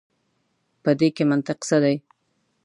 په دې کي منطق څه دی.